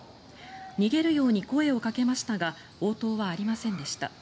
逃げるように声をかけましたが応答はありませんでした。